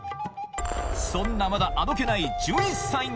そんなまだあどけない１１歳が！